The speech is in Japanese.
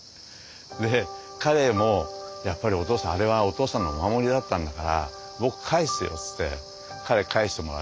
で彼もやっぱり「お父さんあれはお父さんのお守りだったんだから僕返すよ」っつって彼は返してくれて。